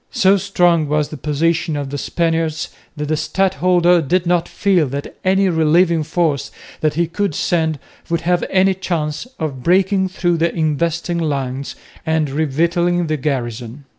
So strong was the position of the Spaniards that the stadholder did not feel that any relieving force that he could send would have any chance of breaking through the investing lines and revictualling the garrison.